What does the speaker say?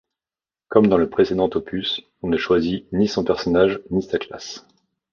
Comme dans le précédent opus, on ne choisit ni son personnage ni sa classe.